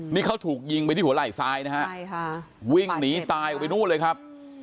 นี่เขาถูกยิงไปที่หัวไหล่ซ้ายนะฮะใช่ค่ะวิ่งหนีตายออกไปนู่นเลยครับ